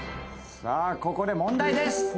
さあここで問題です！